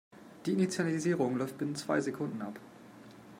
Die Initialisierung läuft binnen zwei Sekunden ab.